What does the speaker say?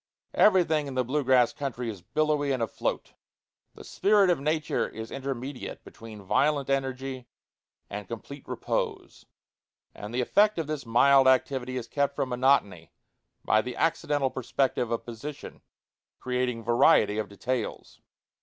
Everything in the blue grass country is billowy and afloat. The spirit of nature is intermediate between violent energy and complete repose; and the effect of this mild activity is kept from monotony by the accidental perspective of position, creating variety of details.